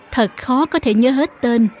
thật khó có thể nhớ hết tên